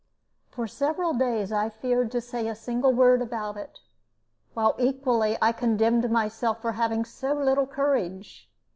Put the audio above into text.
For several days I feared to say a single word about it, while equally I condemned myself for having so little courage.